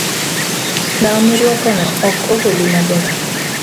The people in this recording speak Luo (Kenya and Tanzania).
Law mirwako no ok ogoli maber